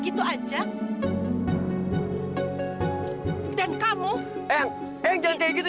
jika awalnya dia tiada